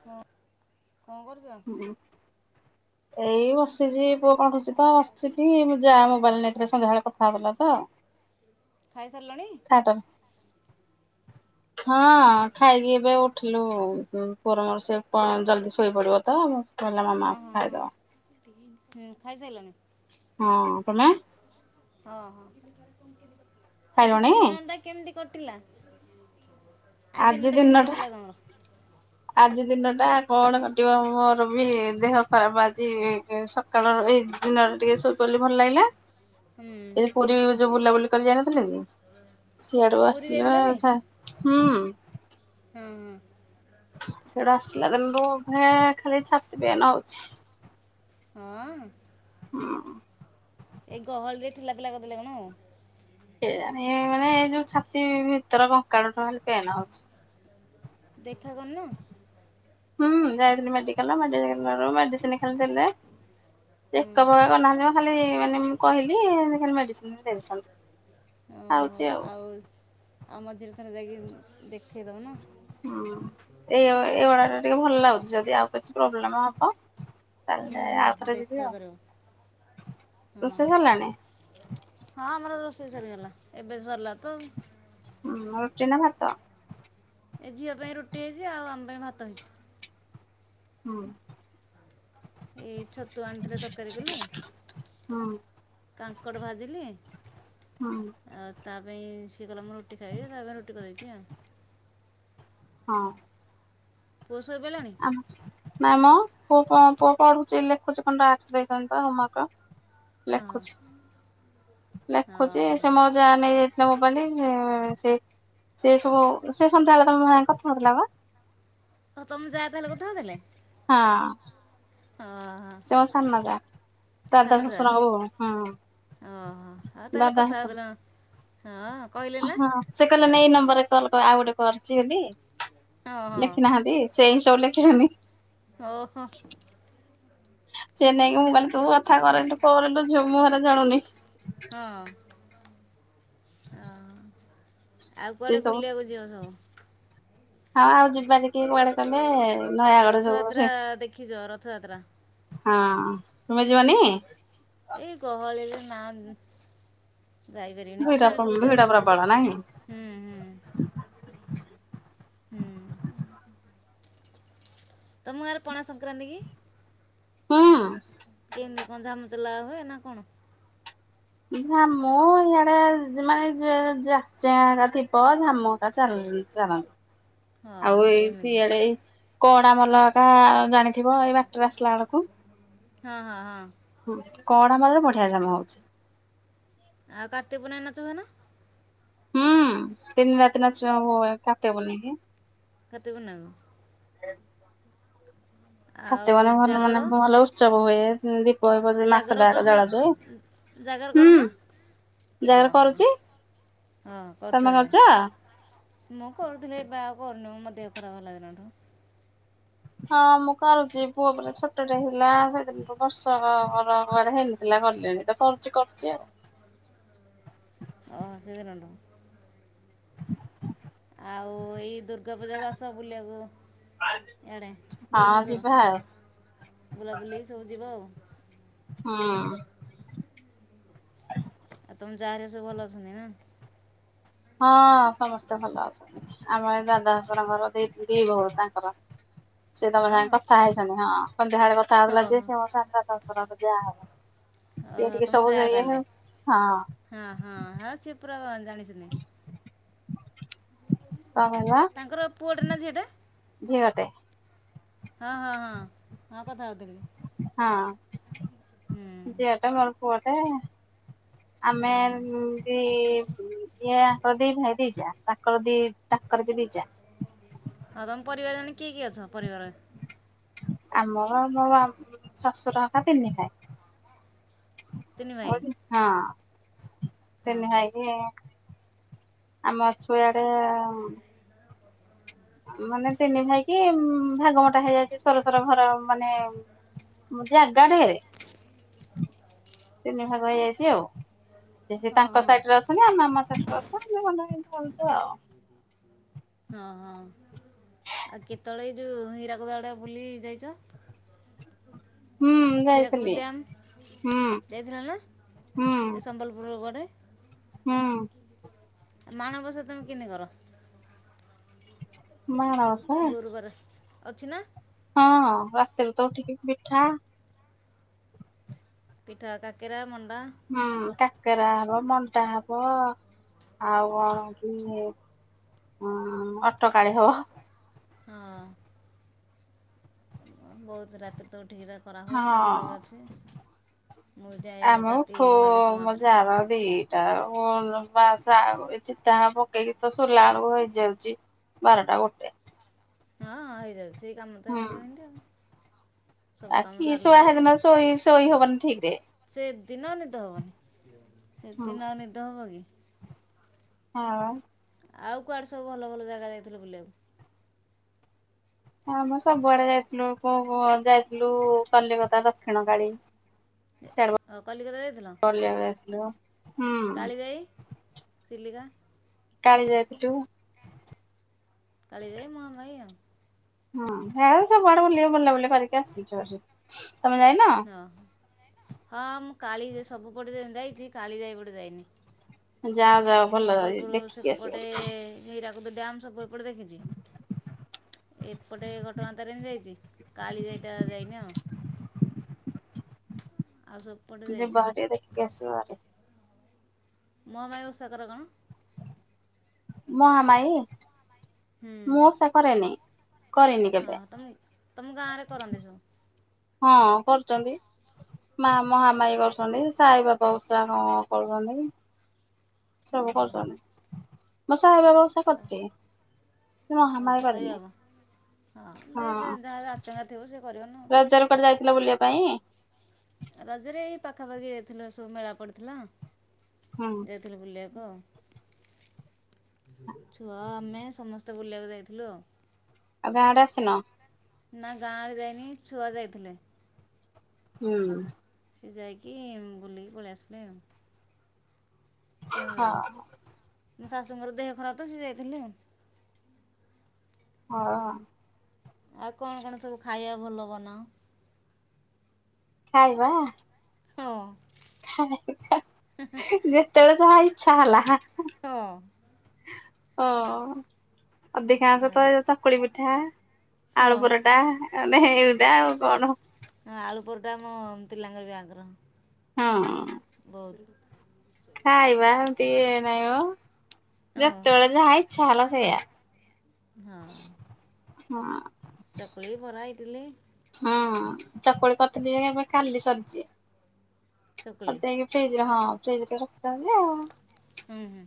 ହଁ କଣ କରୁଛ। [unintelligible] ଏଇ ବସିଛି ପୁଅ ପଢୁଚି ତ ଆସିଛି କି ମୋ ଯା ମୋବାଇଲ ନେଇଥିଲି ସନ୍ଧ୍ୟାବେଳେ କଥା ହଉଥିଲା ତ। ଖାଇସାରିଲଣି। ଠାର ହଁ ଖାଇକି ଏବେ ଉ ଉଠିଲୁ ପରମା ସିଆ ପା ଜଲଦି ଶୋଇପଡିବ ତ। କହିଲା ମାମା ହଁ ଆସ ହଁ ହଁ ଖାଇଦବା ସି ସେତିକି ଖାଇସାଇଲଣି। ହଁ ତମେ। ହଁ ହଁ ଆଜି ଖାଇଲଣି? ଦିନ ଟା। କେମିତି କଟିଲା ଆ ଦିନଟା କେମିତି କଟିଲା ତମର। ଆଜି ଦିନ ଟା କଣ କଟିବ ମୋର ବି ଦେହ ଖରାପ ଆଜି କାଳର ଏଇ ଦିନରେ ଟିକେ ଶୋଇପଇଲି ଭଲ ଲାଗିଲା। [unintelligible] ଏ ପୁରୀ ଯୋଉ ବୁଲାବୁଲି କରି ଯାଇନଥିଲେ କି। ସିଆଡୁ ପୁରୀ ଆସିଲା ଯାଇଥିଲରେ ସା ହୁଁ। ହଁ, ହଁ। ସେଇଟା ଆସିଲା ଦିନରୁ ଭେ ଖାଲି ଛାତି ପେନେ ହଉଛି। ହଁ ଅ। ହୁଁ। ଏଇ ଗହଳି ରେ ଠେଲା, ପେଲା କରିଦେଲେ କଣ। ସେ ଜାଣ ଏ ମାନେ ଏଇ ଯୋଉ ଛାତି ଭିତର କଙ୍କାଳୁ ଟା ଖାଲି ପେନ୍ ହଉଛି। ଦେଖା କରିନ। ହୁଁ ଯାଇଥିଲି ମେଡିକାଲ ମେଡିକାଲରୁ ମେଡିସିନି ଖାଲି ଦେଲେ। ହଁ ଚେକଅପ୍ କରିନାହାନ୍ତି ଖାଲି ମାନେ ମୁଁ କହିଲି ଏମିତି ଖାଲି ମେଡ଼ିସିନ ଦେଉଛନ୍ତି। ଓହୋ ଆଉ- ଆଉ ମଝିରେ ଥରେ ଯାଇକି ଦେଖେଇ ଦଉନୁ। ହୁଁ ଏଇ ଏଇଭଡା ଟା ଟିକେ ଭଲ ଲାଗୁଛି ଯଦି ଆଉ କିଛି ପ୍ରୋବ୍ଲେମ ହବ। ହୁଁ ଚାଲି ହୁଁ ଆଉଥରେ ଯିବି ଦେଖା ଆଉ କରିବ ହଁ ରୁଷେଇ ସରିଲାଣି। ହଁ ଆମର ରୋଷେଇ ସରିଗଲା ଏବେ ସରିଲା ତ। ହୁଁ ରୁଟି ନା ଭାତ। ଏ ଝିଅ ପାଇଁ ରୁଟି ହେଇଛି ଆଉ ଆମ ପାଇଁ ଭାତ ହେଇଛି। ହଁ। ଏଇ ଛତୁ ଆଣିଥିଲେ ତରକାରୀ କଲି। ହୁଁ କାଙ୍କଡ଼ ଭାଜିଲି। ହୁଁ ଆଉ ତା ପାଇଁ ସିଏ କଲା ମୁଁ ରୁଟି ଖାଇବି ତା ପାଇଁ ରୁଟି କରିଦେଇଛି ଆଉ। ହଁ। ପୁଅ ଶୋଇପଇଲାଣି। ନାଇଁ ମ ପୁଅ କଣ ପୁଅ ପଢୁଛି ଲେଖୁଛି କଣ ଟାସ୍କ ଦେଇଛନ୍ତି ତ ହୋମାର୍କ। ଓ ହଁ। ହଁ ଲେଖୁଛି ସେ ମୋ ହଁ ଯା ନେଇ ଯାଇଥିଲା ମୋବାଇଲି-ଇ-ଇ-ଇ ସେ ସେ ସବୁ ସେ ସନ୍ଧ୍ୟାବେଳେ ତମ ସାଙ୍ଗେ କଥା ହଉଥିଲା ବା ହ ତମ ଯା ତାହଲେ କଥା ହଉ ଥିଲେ। ହଁ। ହଁ ହଁ। ତ ସାନ ଯା। ଦାଦା ସାନ ଜା ଶଶୁରଙ୍କ ଭଉଣୀ ହୁଁ ଓହୋ ଆଉ ତାହେଲେ ଦାଦା କଥା ଶଶୁର ହଉଥିଲେ ମୋ ହଁ କହିଲେ ନା? ହଁ ସେ କହିଲେ ନା ଏଇ ନମ୍ବରରେ କଲ୍ କର ଆଉ ଗୋଟେ କରିଛି ବୋଲି। ହଁ ହଁ ଲେଖି ନାହାନ୍ତି ସେଇ ହିଁ ସବୁ ଲେଖିଚନ୍ତି। ଓହୋ ହଁ ସେ ନେଇକି ମୁଁ କହିଲି ତୁ କଥା କରେ ତୁ କରେ ଲୋ ଝିଅ ମୁଁ ହେରା ଜାଣୁନି। ହଁ ହ ଆଉ ସେ କୁଆଡେ ସବୁ ବୁଲିବାକୁ [unintelligible] ହଁ ଆଉ ଯିବା ଟିକେ କୁଆଡେ କହିଲେ ନୟାଗଡ ସବୁ ସେ ରଥଯାତ୍ରା-ଆ-ଆ-ଆ ଦେଖିଛ ରଥଯାତ୍ରା ହଁ ତୁମେ ଯିବନି? ଏଇ ଗହଳିରେ ନାଁ ଯାଇପାରିବିନି ଭିଡ ସୁନା ବେଶକୁୁ ଯିବା। ଭିଡ ପ୍ରବଳ ନାଇଁ ହୁଁ ହୁଁ ହୁଁ। ତମ ଗାଁରେ ପଣା ସଂକ୍ରାନ୍ତି କି ହୁଁ କେମତି ଗଂଜା [unintelligible] ହୁଏ ନା କଣ? ଝାମୁ ଇଆଡେ ମାନେ ଯ ଜାଚା ଆକା ଥିବ ଝାମୁକା ଚା ଚାଲନ୍ତି। ହ ଆଉ ଏଇ ସିଆଡେ କଡ ମାଲକା ଜାଣିଥିବ ଏଇ ବାଟରେ ଆସିଲା ବେଳକୁ। ହଁ ହଁ ହଁ। ହୁଁ କଡମାଲିରେ ବଢିଆ ଜାମ ହଉଛି। ଆଉ କାର୍ତିକ ପୂଣ୍ୟୟ ନାଚ ହୁଏ ନା? ହୁଁ ତିନି ରାତି ନାଚିବା ହବ ଏ କାର୍ତ୍ତିକପୂର୍ଣ୍ଣମୀ କି। କାର୍ତ୍ତିକ ପୂର୍ଣମୀ କୁ? ଆଉ କାର୍ତିକ ମାନେ ଭଲ ଜାଗର ମାନେ ଭଲ ଉତ୍ସବ ହୁଏ ଦୀପ ହିପ ଜାଗର ମାସଟା ଉପାସ ଯାକ ଜଳା ଯାଏ। ଜାଗର କରନା? ଜାଗର କରୁଛି। ହଁ କରୁଚ ତମେ କରୁଛ? ଏ। ମୁଁ କରୁଥିଲି ଏବେ ଆଉ କରୁନି ମୋ ଦେହ ଖରାପ ହେଲା ଦିନ ଠୁ। ହଁ ମୁଁ କରୁଛି ପୁଅ ପୁରା ଛୋଟଟା ହେଇଥିଲା ସେଦିନଠୁ ବର୍ଷକ ମୋର ଘରେ ହେଇ ନ ଥିଲା କଲେଣି ତ କରୁଛି କରୁଛି ଆଉ। ଓହ ସେଇ ଦିନ ଠୁ। ଆଉ-ଉ-ଉ-ଉ ଏଇ ଦୁର୍ଗା ପୂଜାକୁ ଆସ ବୁଲିବାକୁ। ଇଆଡେ ଆଉ ହଁ ଭୁବନେଶ୍ଵର ଯିବା ଆଉ ବୁଲାବୁଲି ସବୁ ଯିବା ଆଉ। ହଁ। ଆଉ ତମ ଯା ହେରା ସବୁ ଭଲ ଅଛନ୍ତି ନା? ହଁ-ଅ-ଅ ସମସ୍ତେ ଭଲ ଅଛନ୍ତି। ଆମର ଏ ଦାଦା ଶୂଶୁର ଙ୍କର ଦି ଦି ବୋହୁ ତାଙ୍କର। ସେ ତମ ହଁ ସାଙ୍ଗେ କଥା ହେଇଛନ୍ତି ହଁ ସନ୍ଧ୍ୟାବେଳେ କଥା ହେଉଥିଲା ଯେ ଓହୋ ସେ ମୋ ସାନ ଶୁଶୂର କ ଯା ହେବେ। ସେଏ ଓହୋ ଟିକେ ତମ ସବୁ ଯା ଇଆ [unintelligible] ତାହେଲେ ହଉ ହଁ। ହଁ ହଁ ହଁ ସେ ପୁରା ଜାଣିଛନ୍ତି। ହୋ [inaudible] ତାଙ୍କର ପୁଅଟେ ନା ଝିଅଟେ? ଝିଅଟେ ହଁ ହଁ ହଁ ହଁ କଥା ହଉଥିଲି। ହଁ ହୁଁ ଝିଅଟେ ମୋର ପୁଅଟେ। ଆମେ ହଁ ଏ ଇଏ ପ୍ରଦୀପ ହେରିଜା। ତାଙ୍କର ଦି ତାଙ୍କର ବି ଦିଇଯା। ହ ତମ ପରିବାର [unintelligible] କି କି ଅଛ ପରିବାର? ଆମର ମୋ ଶଶୁର ହେଇକା ତିନି ଭାଇ। ତିନି ଭାଇ ଆ [unintelligible] ହଁ ତିନି ହଁ ଭାଇକି ଆମର ସବୁ ଇଆଡେ ମାନେ ତିନି ଭାଇ କି ଭାଗମଟ ବଣ୍ଟା ହେଇଯାଇଚି ସର ସର ଘର ମାନେ ମୁଁ ଜାଗାରେ ତିନି ଭାଗ ହେଇଯାଇଚି ଆଉ। ସେ ସେ ହଁ ତାଙ୍କ ହଁ ସାଇଟି ରେ ଅଛନ୍ତି ଆମ ଆମ ସାଇଡି [unintelligible] ମନ ଭଛୁ ଆଉ। ହଁ ହଁ। ଆଉ କେତେବେଳେ ଏ ଯୋଉ ହୀରାକୁଦ ଆଡେ ବୁଲି ଯାଇଚ? ହୁଁ ହୀରାକୁଦୁ ଯାଇଥିଲି ଡ୍ୟାମ୍। ହୁଁ ଯାଇଥିଲା ନା ହୁଁ ଏ ସମ୍ବଲପୁର ଗଡ଼େ? ହୁଁ ଆ ମାଣବସା ତମେ କେନ୍ତି କର? ମାଣବସା ଗୁରୁବାର ଅଛି ନା? ହଁ ରାତିରୁ ତ ଉଠିକି ପିଠା। ପିଠା କାକେରା ମଣ୍ଡା। ହଁ କାକେରା ହବ ମଣ୍ଡା ହବ ଆଉ କଣ କି ହଁ ଅଟକାଳି ହବ ହଁ। ବହୁତୁ ରାତିରୁ ତ ଉଠିକିରି କରାହୁଏ ଆମର ବି ଅଛି। ମୁଁ ଯାଏ ଆମେ କାର୍ତ୍ତି ଉଠୁ ମାର୍ଗଶୀର ମୋ ମାସରେ ଜାଆ ଦି ଟଉ ବାସ ଚିତାହା [unintelligible] ପକେଇକି ତ ଶୋଇଲା ବେଳୁ ହେଇଯାଉଚି। ବାରଟା ଗୋଟେ। ହଁଁ ହେଇଯାଉ ସେଇ କାମ ତ ହେଇଯିବ ହେନ୍ତି ଆଉ। ସବୁ କାମ ଆଖି ଶୁଆ ସାରିଲା ବେଳକୁ ହେଦିନ ଶୋଇ ଶୋଇ ହବନି ଠିକି ରେ। ସେଦିନ ନିଦ ହବନି ହଁ। ସେଦିନ ଆଉ ନିଦ ହବ କି? ହଁ। ଆଉ କୁଆଡେ ସବୁ ଭଲ ଭଲ ଜାଗା ଯାଇଥିଲ ବୁଲିବାକୁ? ହଁ ମୁଁ ସବୁଆଡେ ଯାଇଥିଲୁ କୁ ଯାଇଥିଲୁ କଲିକତା ଦକ୍ଷିଣ କାଳି। ଅ କଲିକତା ଯାଇଥିଲ ବୁଲିବାକୁ ଯାଇଥିଲୁ। ହୁଁ କାଳି ଯାଇ ଚିଲିକା। କାଳି ଯାଇଥିଲୁ। କଳିଯାଇ ମହାମାଇ ଆଉ। ହଁ ସେ ସବୁଆଡେ ବୁଲି ବୁଲାବୁଲି କରିକି ଆସିଚୁ ହାରି ତମେ ଯାଇନ? ହ ହଁ ମୁଁ କାଳି ସବୁପଟେ ଯାଇଚି କାଳିଯାଇପଟେ ଯାଇନି। ଯାଅ ଯାଅ ଭଲ ସମ୍ବଲପୁରୁ ଦେଖିକି ଆସିବ ସେପଟେ ଟିକେ ହୀରାକୁଦ ଡମ୍ ସବୁ ଏପଟେ ଦେଖିଚି ଏପଟେ ଘଟଗାଁ ତାରଣୀ ଯାଇଚି କାଳିଯାଇଟା ଯାଇନି ଆଉ। ଆଉ ସବୁ ଯିବହାରି ଟିକେ ଦେଖିକି ଆସିବ ହାରି। ମହାମାଇ ଓଷକର କଣ? ମହାମାୟୀ ହୁଁ ମୁଁ ଓଷା କରେନି। କରିନି ହଁ କେବେ ତମି ତମ ଗାଁ ରେ କରନ୍ତି ସବୁ। ହଁ କରୁଚନ୍ତି। ମା ମହାମାୟୀ କରୁସନ୍ତି ସାଇ ବାବା ଓଷା କଣ କରୁସନ୍ତି। ହଁ ସବୁ ହଁ କରୁସନ୍ତି ମୁଁ ସାଇ ବାବା ଓଷା କରିଚି। ମହାମାୟୀ ସାଇ କରିନି। ବାବା ହଁ ଯେ ହଁ। ଯ-ଯାହା ଯାଚଙ୍କା ଥିବ ସେ କରିବନା ଆଉ। ରଜରେ କୁଆଡେ ଯାଇଥିଲ ବୁଲିଆ ପାଇଁ? ରଜରେ ଏଇ ପାଖାପାଖି ଯାଇଥିଲୁ ସବୁ ମେଳା ପଡିଥିଲା। ହଁ। ଥିଲୁ ବୁଲିଆକୁ ଆଉ ଛୁଆ ଆମେ ସମସ୍ତେ ବୁଲିବାକୁ ଯାଇଥିଲୁ ଆଉ। ଆଉ ଗାଁ ଆଡେ ଆସିନ? ନା ଗାଁ ଆଡେ ଯାଇନି ଛୁଆ ଯାଇଥିଲେ। ହୁଁ। ସେ ଯାଇକି ବୁଲିକି ପଳେଇ ଆସିଲେ ଆଉ। ଚିଉଁ ହଁ ମୋ ଶାଶୁଙ୍କର ଦେହ ଖରାପ ତ ସେ ଯାଇଥିଲେ ଆଉ। ହ ଅଁ। ଆଉ କଣ କଣ ସବୁ ଖାଇବା ଭଲ ବନାଅ? ଖାଇବା? ହଁ। ଖା-ଇ-ବା ଯେତେବେଳେ ଯାହା ଇଚ୍ଛା ହେଲା। ହଁ। ଓ ହଁ ଅଧିକାଂଶତ ଏ ଚକୁଳି ପିଠା। ହଁ ଆଳୁ ପରଟା ମାନେ ଏଉଟା ଆଉ କଣ। ହଁ ଆଳୁପରଟା ଆମ ପିଲାଙ୍କର ବି ଆଗ୍ରହ। ହଁ। ବହୁତ୍। ଖାଇବା ଏମିତି ଇଏ ନାଇଁମ। ହଁ ଯେତେବେଳେ ଯାହା ଇଛା ହେଲା ସେଇଆ। ହଁ। ହଁ। ଚକୁଳି ବରା ଇଡିଲି। ହଁ ଚକୁଳି କରିଥିଲି ଯେ ହେରାପା କାଲି ସରିଚି। ଚକୁଳି କରିଦେଇକି ଫ୍ରିଜରେ ହଁ ଫ୍ରିଜରେ ରଖିଦଉଚି ଆଉ। ହୁଁ ହୁଁ।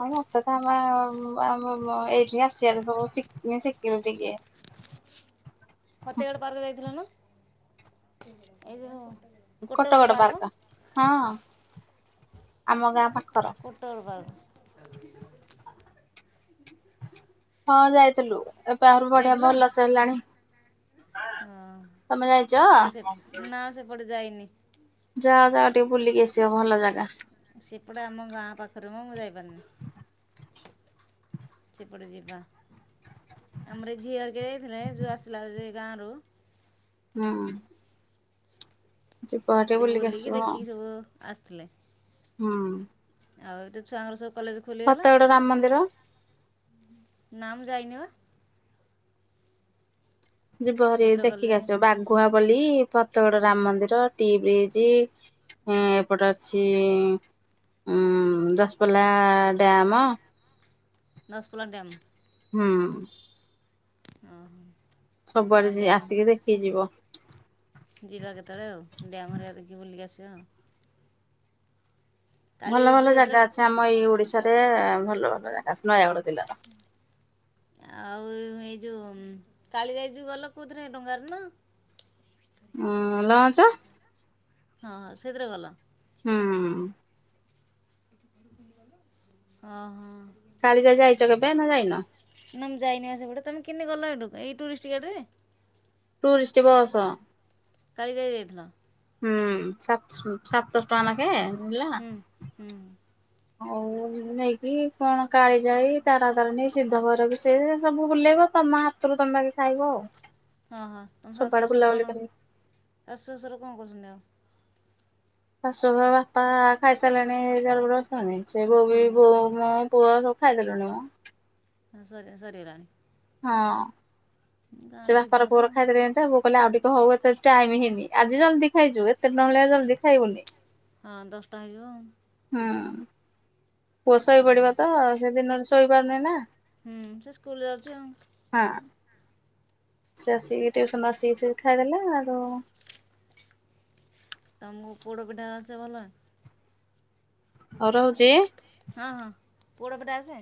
ଆଉ ମତେତ ଆମ ଆମ-ମ ଏଇଠି ଆସିଆରେ ସବୁ ଶିକ୍ ଏଁ ଶିକିଲି ଟିକେ। ଫତେଇଗଡ ପାର୍କ ଯାଇଥିଲ ନା। ଏ ଯୋଉ ଖଟଗଡ ପାର୍କ ଟା। ହଁ ଆମ ଗାଁ ପାଖର। [inaudible] ହଁ ଯାଇଥିଲୁ ଏବେ ଆହୁରି ବଢିଆ ଯାଇଥିଲ ଭଲସେ ହେଲାଣି। ହଁ ତମେ ସେ ଯାଇଚ? ନା ସେପଟେ ଯାଇନି। ଯାଅ ଯାଅ ଟିକେ ବୁଲିକି ଆସିବ ଭଲ ଯାଗା। ସେପଡେ ଆମ ଗାଁ ପାଖରେ ମ, ମୁଁ ଯାଇ ପାରୁନି। ସେପଟେ ଯିବା, ଆମର ଏ ଝିଅ ହେରିକେ ଯାଇଥିଲେ ଯୋଉ ଆସିଲା [unintelligible] ସେ ଗାଁ ରୁ ହୁଁ ଉଁ ଟିକେ ସିଏ ବୁଲିକି ଆସିବ ଆଉ ଦେଖିକି ସବୁ ଆସିଥିଲେ। ହୁଁ। ଆଉ ଏତ ଛୁଆଙ୍କର ସୁ ଫତଗଡେ ରାମ ମନ୍ଦିର। ନା ମୁଁ ଯାଇନି ମ। ଯିବ ହାରି ଏଥର ଦେଖିକି ଗଲେ ଆସିବ, ବାଘୁଆ ପଲି, ଫତେଗଡ ହୁଁ ରାମ ମନ୍ଦିର। ସି ବିଚ୍, ଏଁ ଏପଟେ ଅଛି ଉଁ ଉଁ ଦଶପଲା ଡ୍ୟାମ। ଦଶପଲ ଡ୍ୟାମ୍, ହୁଁ ଓହୋ। ହଁ ସବୁଆଡେ ଡ୍ୟାମ୍ ଆସିକି ଦେଖି ଯିବ। ଯିବା କେତେବେଳେ ଆଉ, ଡ୍ୟାମ୍ ରା ଦେଖିକି ବୁଲିକି ଆସିବା ଆଉ। ଭଲ କାଳିଜାଇ ଭଲ ଯେଉଁ ଏଥର ଜାଗା ଅଛି ଆମ ଏଇ ଓଡିଶାରେ, ଭଲ ଭଲ ଜାଗା, ଅ ନୟାଗଡ଼ ଜିଲ୍ଲାର। [unintelligible] ଆଉ ଏଇ ଯୋଉ, କାଳିଜାଇ ଯୋଉ ଗଲ, କୋଉଥିରେ ଡଙ୍ଗାରେ ନା? ଉଁ ଉଁ ଲଞ୍ଚ। ହଁ ସେଥିରେ ଗଲ? ହୁଁ ଉଁ ଓ ହୋ। କାଲିଜାଇ ଯାଇଚ କେବେ, ନା ଯାଇନ? ନା ମୁଁ ଯାଇନି ଆ ସେପଟେ, ତମେ କେନେ ଗଲ ହେଠୁ, ଏଇ ଟୁରିଷ୍ଟ ଗାଡି ରେ ଟୁରିଷ୍ଟ ବସ୍। କାଳିଜାଇ ଯାଇଥିଲ? ହୁଁ, ସାତ ସାତଶହ ଟଙ୍କା ନା କେ ନେଲା। ହୁଁ ହୁଁ ଆଉ ନେଇକି, କଣ କାଳିଜାଇ, ତାରାତାରେଣୀ ସିଧଘର ବି ସେ ସବୁ ବୁଲେଇବ, ତମ ହାତରୁ ତମେ ବାକି ଖାଇବ ଆଉ। ହଁ ହଁ ତମ ଶାଶୁ ସବୁଆଡେ ଶ୍ୱଶୁର ବୁଲାବୁଲି କଣ, କରି ଶାଶୁ ଶ୍ୱଶୁର କଣ କରୁଚନ୍ତି ଆଉ? ଶାଶୁଘ ବାପା ଖାଇସାରିଲେଣି, [unintelligible] ଗୋଟେ [unintelligible] ସେ ବୋଉ ବି ବୋଉ ହୁଁ ମୁଁ ପୁଅ ସବୁ ଖାଇଦେଲୁଣି ମ। ହ ସ ସରି ଗଲାଣି। ହଁ, ସେ ବାପର ଶୀଘ୍ର ତ ପୁଅର ଖାଇଥିଲେ ଏମିତା, ବୋ କହିଲେ ଆଉ ଟିକେ ହଉ, ଏତେ ଟାଇମ୍ ହେଇନି, ଆଜି ଜଲଦି ଖାଇଚୁ, ଏତେ [unintelligible] ହେଲେ ଜଲଦି ଖାଇବୁନି। ହଁ, ଦଶଟା ହେଇଯିବ ଆଉ। ହୁଁ, ପୁଅ ଆଉ ଶୋଇପଡିବ ତ, ସେଦିନରେ ଶୋଇପାରୁନି ନା। ହୁଁ ସେ ସ୍କୁଲ୍ ଯାଉଚି ଆଉ। ହଁ। ସେ ଆସିକି, ଟିଉସନ୍ ରୁ ଆସିକି ସେ ଖାଇଦେଲା, ହେଟୁ ତମକୁ ପୋଡ଼ ପିଠା ଆସେ ଭଲ? ହଉ ରହୁଚି। ହଁ ହଁ, ପୋଡ଼ପିଠା ଆସେ?